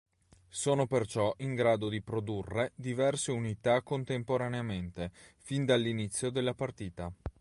Sono perciò in grado di produrre diverse unità contemporaneamente, fin dall'inizio della partita.